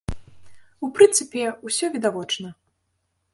У прынцыпе, усё відавочна.